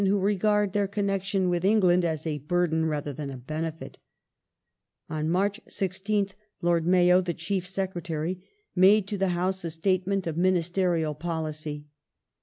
. who regard their con nection with England as a burden rather than a benefit ". On March 16th Ix)rd Mayo, the Chief Secretary, made to the House a state ment of ministerial policy.